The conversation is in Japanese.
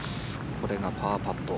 これがパーパット。